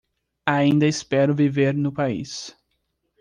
Ainda espero viver no país